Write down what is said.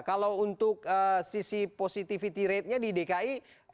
kalau untuk sisi positivity ratenya di dki